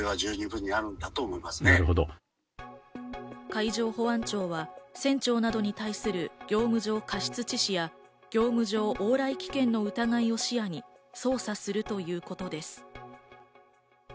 海上保安庁は船長などに対する業務上過失致死や業務上往来危険の疑いを視野に、捜査するということです。